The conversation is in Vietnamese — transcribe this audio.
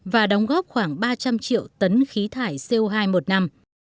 và đóng góp khoảng ba trăm linh triệu tấn khí thải co hai một năm